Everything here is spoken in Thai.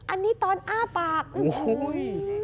อันนี้ตอนอ้าปากอุ้ย